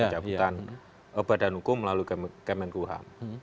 pencabutan badan hukum melalui kemenkuham